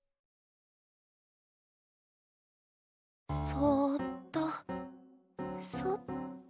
そっとそっと。